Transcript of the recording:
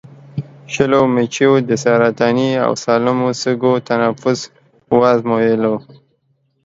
شلو مچیو د سرطاني او سالمو سږو تنفس وازمویلو.